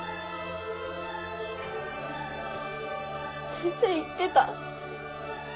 先生言ってた。